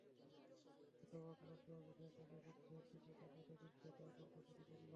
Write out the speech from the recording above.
হতবাক লুলেং অবিশ্বাসের চোখে বৃদ্ধের দিকে তাকাতে বৃদ্ধ তার গল্প শুরু করল।